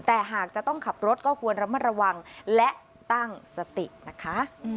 แต่หากจะต้องขับรถก็ควรระมัดระวังและตั้งสตินะคะ